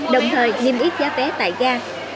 đồng thời niêm yết giá vé tải ga